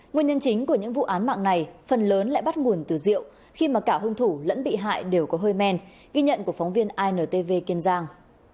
nguyên nhân chính của những vụ án mạng này phần lớn lại bắt nguồn từ rượu khi mà cả hung thủ lẫn bị hại đều có hơi men ghi nhận của phóng viên intv kiên giang